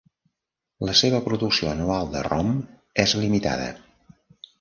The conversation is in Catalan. La seva producció anual de rom és limitada.